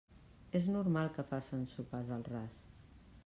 És normal que facen sopars al ras.